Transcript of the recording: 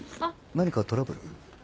何かトラブル？